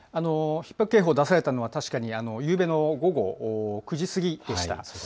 ひっ迫警報を出されたのは確かに、夕べの午後９時過ぎでした。